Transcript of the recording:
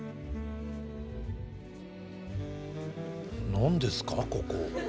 何ですかここ？